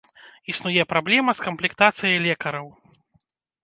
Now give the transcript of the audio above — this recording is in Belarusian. Існуе праблема з камплектацыяй лекараў.